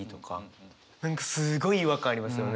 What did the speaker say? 何かすごい違和感ありますよね。